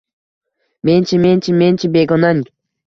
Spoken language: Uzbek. Men-chi… Men-chi… Men-chi, begonang…